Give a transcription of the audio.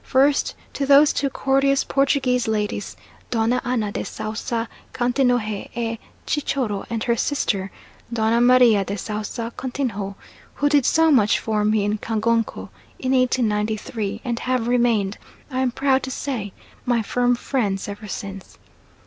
First to those two courteous Portuguese ladies, Donna Anna de Sousa Coutinho e Chichorro and her sister Donna Maria de Sousa Coutinho, who did so much for me in Kacongo in 1893, and have remained, I am proud to say, my firm friends ever since.